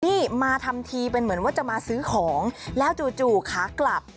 นี่มาทำทีเป็นเหมือนว่าจะมาซื้อของแล้วจู่ขากลับ